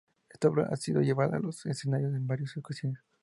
Esta obra ha sido llevada a los escenarios en varias ocasiones.